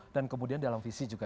dan kemudian dalam visi juga